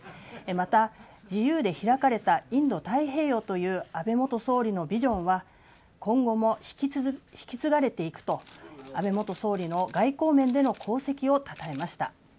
また自由で開かれたインド太平洋という安倍元総理のビジョンは今後も引き継がれていくと安倍元総理の外交面での功績をたたえました。